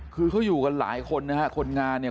คือเขาอยู่กันหลายคนนะฮะคนงานเนี่ย